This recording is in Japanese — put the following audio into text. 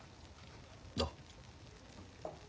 どう？